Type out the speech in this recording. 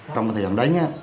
trong thời gian đánh